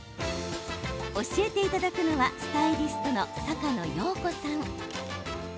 教えていただくのはスタイリストの坂野陽子さん。